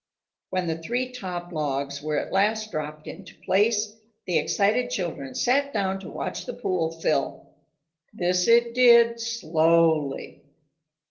When the three top logs were at last dropped into place, the excited children sat down to watch the pool fill. This it did slowly.